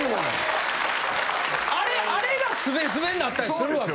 あれがスベスベになったりするわけや。